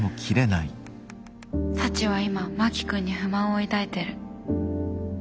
サチは今真木君に不満を抱いてる。